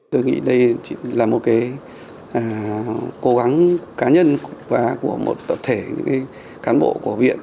tôi nghĩ đây là một cái cố gắng cá nhân của một tập thể cán bộ của viện